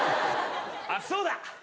あっそうだ